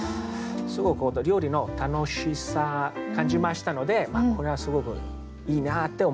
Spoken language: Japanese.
すごく本当料理の楽しさ感じましたのでこれはすごくいいなって思いました。